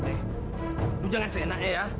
eh lu jangan seenak ya